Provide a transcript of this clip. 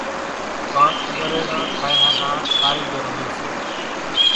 ڪانڪ ڳريڻان ٺاۿيا نا ڪاريڳر هوئيَ سي۔